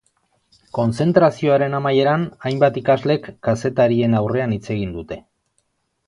Kontzentrazioaren amaieran, hainbat ikaslek kazetarien aurrean hitz egin dute.